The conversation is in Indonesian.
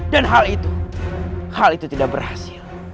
dan hal itu tidak berhasil